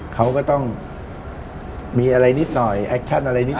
เขาก็ต้องมีอะไรนิดหน่อยแอคชั่นอะไรนิด